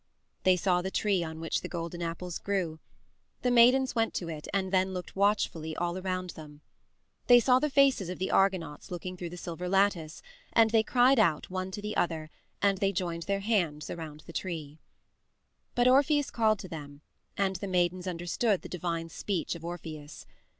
They saw the tree on which the golden apples grew. The maidens went to it and then looked watchfully all around them. They saw the faces of the Argonauts looking through the silver lattice and they cried out, one to the other, and they joined their hands around the tree. But Orpheus called to them, and the maidens understood the divine speech of Orpheus.